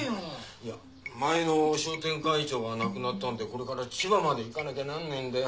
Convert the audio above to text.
いや前の商店会長が亡くなったんでこれから千葉まで行かなきゃなんないんだよ。